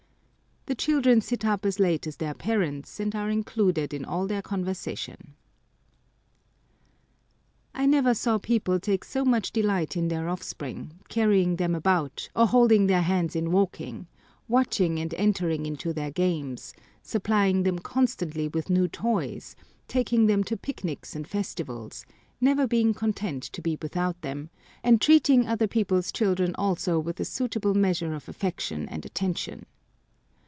The children sit up as late as their parents, and are included in all their conversation. I never saw people take so much delight in their offspring, carrying them about, or holding their hands in walking, watching and entering into their games, supplying them constantly with new toys, taking them to picnics and festivals, never being content to be without them, and treating other people's children also with a suitable measure of affection and attention.